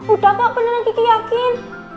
udah kok beneran kiki yakin